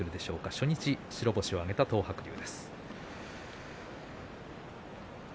初日白星を挙げた東白龍です。